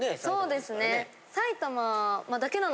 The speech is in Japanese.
そうですね。